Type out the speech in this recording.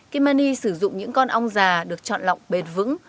kimani sử dụng những con ong già được chọn lọc bền vững